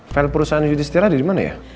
fail perusahaan yudhistira dimana ya